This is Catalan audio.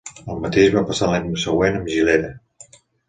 El mateix va passar l'any següent amb Gilera.